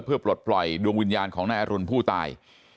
เพื่อปลดปล่อยดวงวิญญาณของนายอรุณผู้ตาย